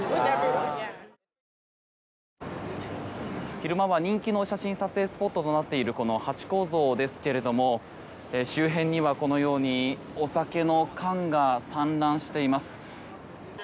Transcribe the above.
昼間は人気の写真撮影スポットとなっているこのハチ公像ですが周辺にはこのようにお酒の缶が散乱しています。